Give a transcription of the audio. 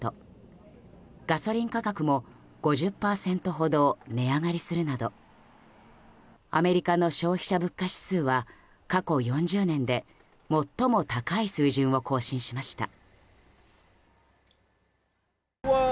ガソリン価格も５０％ほど値上がりするなどアメリカの消費者物価指数は過去４０年で最も高い水準を更新しました。